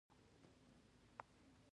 دوی ښوونه او پرمختګ ګناه ګڼله